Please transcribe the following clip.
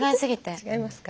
違いますか。